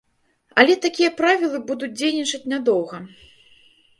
Але такія правілы будуць дзейнічаць нядоўга.